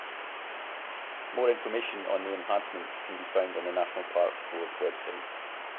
More information on the enhancements can be found on the National Parks Board website.